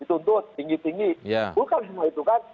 dituntut tinggi tinggi bukan semua itu kan